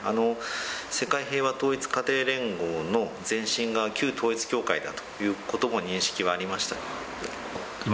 世界平和統一家庭連合の前身が、旧統一教会だということも認識はありました。